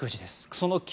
その９。